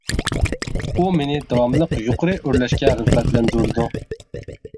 ئۇ مېنى داۋاملىق يۇقىرى ئۆرلەشكە رىغبەتلەندۈرىدۇ.